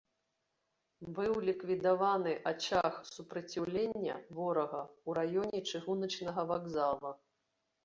Быў ліквідаваны ачаг супраціўлення ворага ў раёне чыгуначнага вакзала.